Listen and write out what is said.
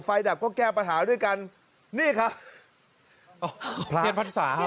ไฟดับก็แก้ปัญหาด้วยกันนี่ครับ